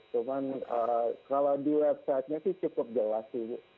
cuman kalau di website nya sih cukup jelas